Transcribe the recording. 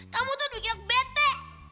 kamu tuh lebih kira ke bete